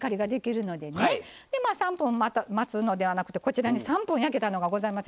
でまあ３分待つのではなくてこちらに３分焼けたのがございます。